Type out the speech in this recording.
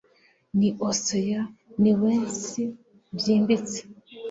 Ni Ocean ni w'ensi byimbitse